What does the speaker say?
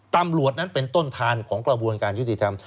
ตำรวจนั้นเป็นต้นทานของกระบวนการยุติธรรม